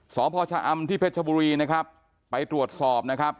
สพชะอำที่เพชรชบุรีนะครับไปตรวจสอบนะครับ